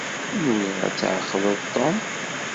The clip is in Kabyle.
Nwiɣ ad tɛeqleḍ Tom.